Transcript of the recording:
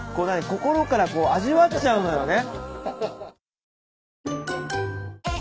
心から味わっちゃうのよね。